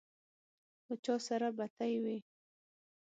له چا سره بتۍ وې.